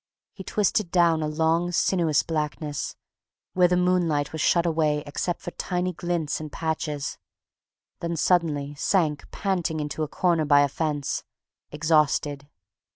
He twisted down a long, sinuous blackness, where the moonlight was shut away except for tiny glints and patches... then suddenly sank panting into a corner by a fence, exhausted.